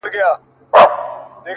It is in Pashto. • تر غرمي پوري یې وکړله تاختونه ,